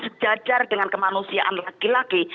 sejajar dengan kemanusiaan laki laki